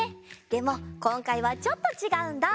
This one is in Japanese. でもこんかいはちょっとちがうんだ。